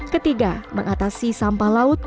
ketiga mengatasi sampah laut